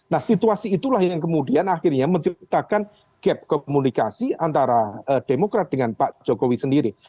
nah situasi itulah yang kemudian akhirnya menciptakan gap komunikasi antara demokrat dengan pak jokowi sendiri